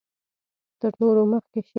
تر نورو مخکې شي.